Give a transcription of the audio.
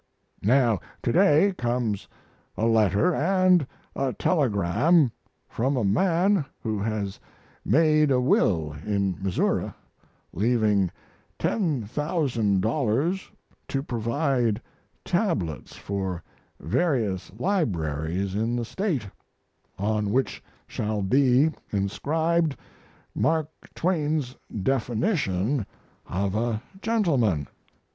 Now to day comes a letter and a telegram from a man who has made a will in Missouri, leaving ten thousand dollars to provide tablets for various libraries in the State, on which shall be inscribed Mark Twain's definition of a gentleman.